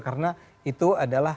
karena itu adalah